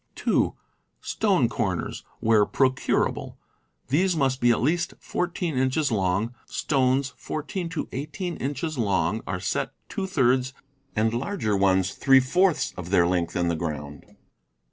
(2) Stone corners, where procurable. These must be at least 14 inches long. Stones 14 to 18 inches long are set two thirds and larger ones three fourths of their length in the ground.